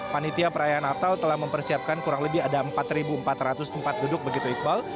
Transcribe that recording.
panitia perayaan natal telah mempersiapkan kurang lebih ada empat empat ratus tempat duduk begitu iqbal